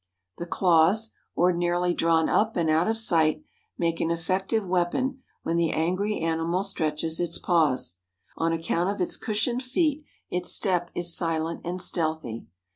The claws, ordinarily drawn up and out of sight, make an effective weapon when the angry animal stretches its paws. On account of its cushioned feet its step is silent and stealthy.